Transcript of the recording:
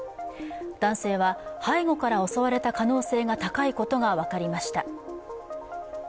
男性は背後から襲われた可能性が高いことが分かりました。